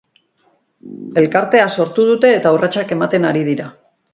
Elkartea sortu dute eta urratsak ematen ari dira.